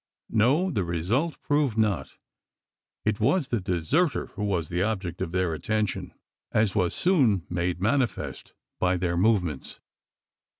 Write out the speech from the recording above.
No; the result proved not. It was the deserter who was the object of their attention as was soon made manifest by their movements.